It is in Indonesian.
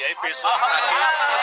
jadi besok lagi